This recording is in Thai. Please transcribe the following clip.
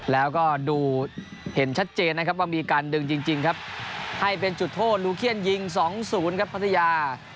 แล้วก็ดูเห็นชัดเจนนะครับว่ามีการดึงจริงครับให้เป็นจุดโทษลูเคียนยิง๒๐ครับพัทยา